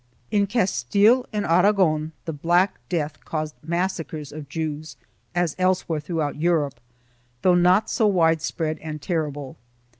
1 In Castile and Aragon the Black Death caused massacres of Jews, as elsewhere throughout Europe, though not so wide spread and terrible.